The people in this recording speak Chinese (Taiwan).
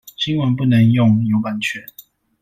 新聞不能用，有版權